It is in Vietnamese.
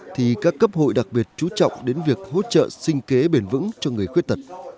thì các cấp hội đặc biệt chú trọng đến việc hỗ trợ sinh kế bền vững cho người khuyết tật